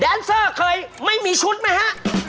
แนนเซอร์เคยไม่มีชุดไหมฮะ